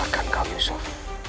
rasakan kamu yusof